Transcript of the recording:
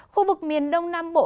khu vực miền đông nam bộ